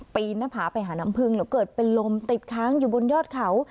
หน้าผาไปหาน้ำพึ่งแล้วเกิดเป็นลมติดค้างอยู่บนยอดเขา